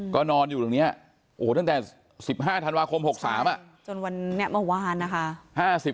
ก็นอนอยู่ตรงนี้โอ้โหตั้งแต่๑๕ธันวาคม๖๓จนวันนี้เมื่อวานนะคะ